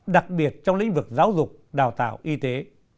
đặc biệt trong lĩnh vực giáo dục đào tạo y tế